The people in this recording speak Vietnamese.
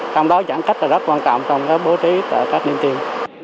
trong đó giãn cách rất quan trọng trong bố trí tại các điểm tiêm